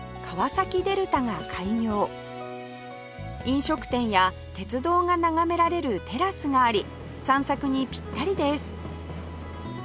飲食店や鉄道が眺められるテラスがあり散策にピッタリです